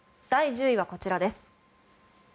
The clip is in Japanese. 第１０位はこちらです。